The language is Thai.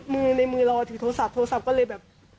มึงในมือหลอดถือโทรศัพท์โทรศัพท์ก็เลยแบบ